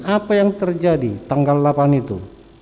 apa yang terjadi tanggal delapan itu